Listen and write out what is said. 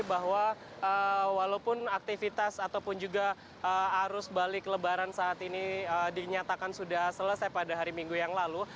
bahwa walaupun aktivitas ataupun juga arus balik lebaran saat ini dinyatakan sudah selesai pada hari minggu yang lalu